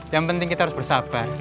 yang penting kita harus bersabar